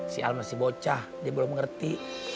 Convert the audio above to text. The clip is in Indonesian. si al masih bocah dia belum mengerti